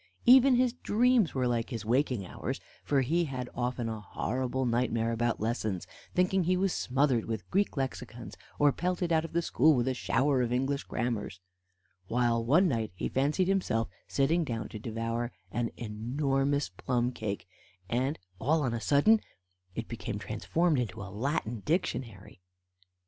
Even his dreams were like his waking hours, for he had often a horrible nightmare about lessons, thinking he was smothered with Greek lexicons or pelted out of the school with a shower of English grammars, while one night he fancied himself sitting down to devour an enormous plum cake, and all on a sudden it became transformed into a Latin dictionary.